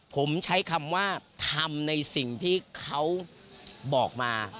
ผมใช้คำว่าทำในสิ่งที่เขาบอกมา